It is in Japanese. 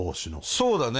そうだね。